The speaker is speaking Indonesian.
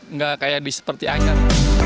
nggak kayak di seperti angan